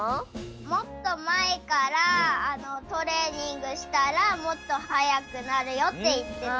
もっとまえからトレーニングしたらもっとはやくなるよっていってた。